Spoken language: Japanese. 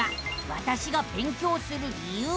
「わたしが勉強する理由」。